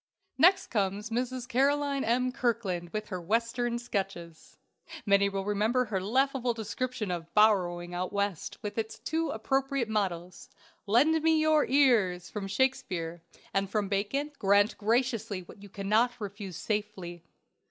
Next comes Mrs. Caroline M. Kirkland with her Western sketches. Many will remember her laughable description of "Borrowing Out West," with its two appropriate mottoes: "Lend me your ears," from Shakespeare, and from Bacon: "Grant graciously what you cannot refuse safely."